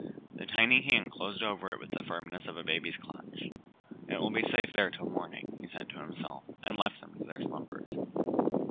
The tiny hand closed over it with the firmness of a baby's clutch. "It will be safe there till morning," he said to himself, and left them to their slumbers.